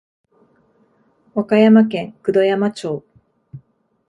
和歌山県九度山町